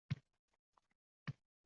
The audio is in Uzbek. Uning jismi unchalik og‘ir ham emasdi-da.